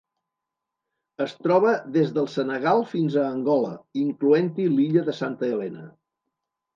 Es troba des del Senegal fins a Angola, incloent-hi l'illa de Santa Helena.